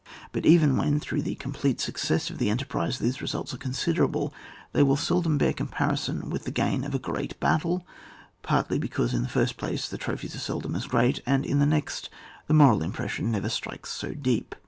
But even when, through the complete success of the enterprise, these results are considerable, they will seldom bear comparison with the gain of a great battle, partly because, in the first place, the trophies are seldom as great, and in the next, the moral impression never strikes so deep.